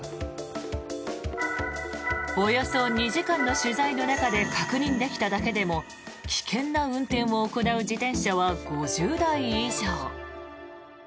およそ２時間の取材の中で確認できただけでも危険な運転を行う自転車は５０台以上。